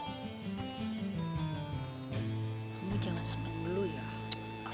kamu jangan seneng dulu ya